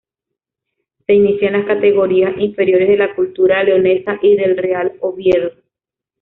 Se inicia en las categorías inferiores de la Cultural Leonesa y del Real Oviedo.